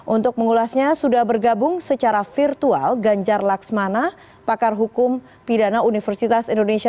untuk mengulasnya sudah bergabung secara virtual ganjar laksmana pakar hukum pidana universitas indonesia